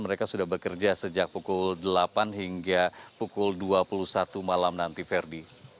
mereka sudah bekerja sejak pukul delapan hingga pukul dua puluh satu malam nanti ferdi